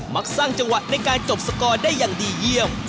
มักสร้างจังหวะในการจบสกอร์ได้อย่างดีเยี่ยม